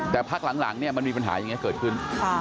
แต่พักหลังเนี่ยมันมีปัญหาอย่างนี้เกิดขึ้น